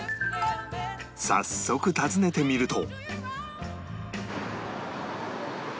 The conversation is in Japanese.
早速訪ねてみると